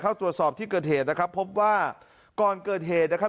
เข้าตรวจสอบที่เกิดเหตุนะครับพบว่าก่อนเกิดเหตุนะครับ